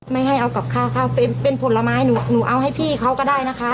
ไม่ให้เอากับข้าวเข้าเป็นผลไม้หนูหนูเอาให้พี่เขาก็ได้นะคะ